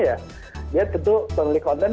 ya tentu penulis konten